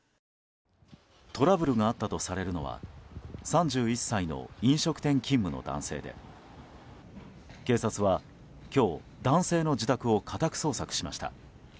トラブルがあったとされるのは３１歳の飲食店勤務の男性で警察は今日、男性の自宅を家宅捜索しました。